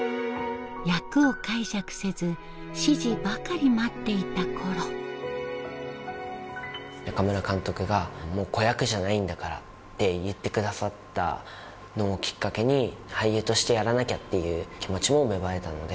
役を解釈せず指示ばかり待っていた頃中村監督が「もう子役じゃないんだから」って言ってくださったのをきっかけに俳優としてやらなきゃっていう気持ちも芽生えたので。